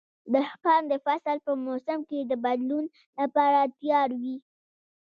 دهقان د فصل په موسم کې د بدلون لپاره تیار وي.